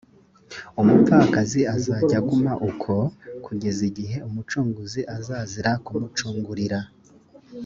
umupfakazi azajya aguma uko kugeza igihe umucunguzi azazira kumucungurira